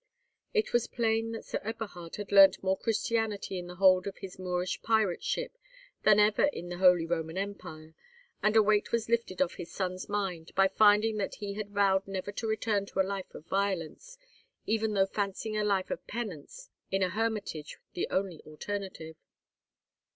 It was plain that Sir Eberhard had learnt more Christianity in the hold of his Moorish pirate ship than ever in the Holy Roman Empire, and a weight was lifted off his son's mind by finding that he had vowed never to return to a life of violence, even though fancying a life of penance in a hermitage the only alternative.